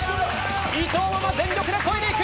伊藤ママ、全力でこいでいく！